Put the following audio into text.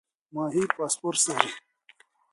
ماهي فاسفورس لري.